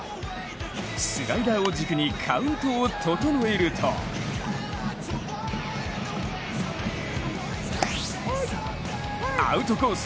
スライダーを軸にカウントを整えるとアウトコース